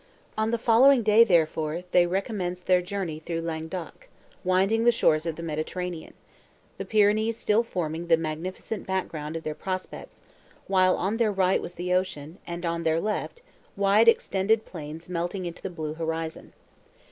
On the following day, therefore, they recommenced their journey through Languedoc, winding the shores of the Mediterranean; the Pyrenees still forming the magnificent back ground of their prospects, while on their right was the ocean, and, on their left, wide extended plains melting into the blue horizon.